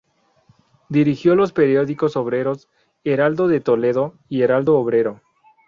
Dirigió los periódicos obreros "Heraldo de Toledo" y "Heraldo Obrero".